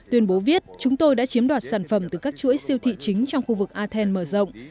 tuyên bố viết chúng tôi đã chiếm đoạt sản phẩm từ các chuỗi siêu thị chính trong khu vực athen mở rộng